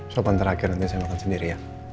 sopan terakhir nanti saya makan sendiri ya